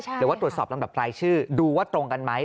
หรือว่าตรวจสอบลำดับรายชื่อดูว่าตรงกันไหม